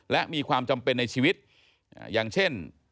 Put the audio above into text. และมีความจำเป็นในชีวิตอย่างเช่น